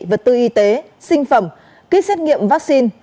vật tư y tế sinh phẩm kýt xét nghiệm vaccine